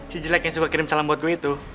si jelek yang suka kirim calon buat gue tuh